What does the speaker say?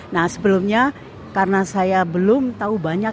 nah sebelumnya karena saya belum tahu banyak